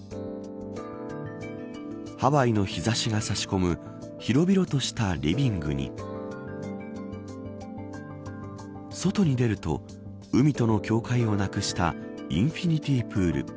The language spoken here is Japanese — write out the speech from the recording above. ハワイの日差しが差し込む広々としたリビングに外に出ると海との境界をなくしたインフィニティプール。